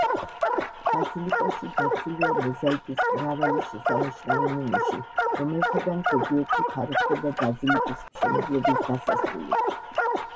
ბაზილიკაში დაცულია მოზაიკის მრავალი შესანიშნავი ნიმუში, რომელთაგან ზოგიერთი თარიღდება ბაზილიკის მშენებლობის დასასრულით.